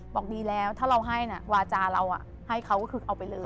บอกดีแล้วถ้าเราให้นะวาจาเราให้เขาก็คือเอาไปเลย